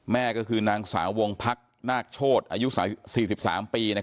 แม่ก็คือนางสาววงพักนาคโชธอายุ๔๓ปี